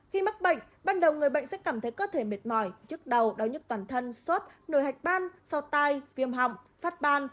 khi mắc bệnh ban đầu người bệnh sẽ cảm thấy cơ thể mệt mỏi trước đầu đau nhức toàn thân sốt nồi hạch ban sau tay viêm hỏng phát ban